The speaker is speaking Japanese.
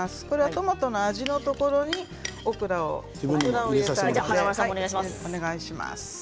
トマトの味のところにオクラを入れたいからです。